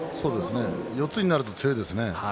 四つになると強いですね。